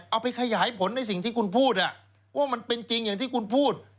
เอาไปขยายผลในสิ่งที่คุณพูดว่ามันเป็นจริงอย่างที่คุณพูด